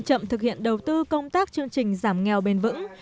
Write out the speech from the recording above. chậm thực hiện đầu tư công tác chương trình giảm nghèo bền vững